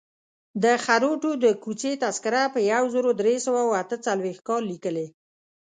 د خروټو د کوڅې تذکره په یو زر درې سوه اته څلویښت کال لیکلې.